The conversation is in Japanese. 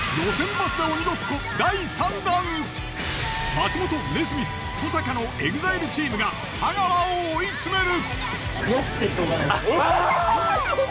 松本ネスミス登坂のＥＸＩＬＥチームが太川を追い詰める！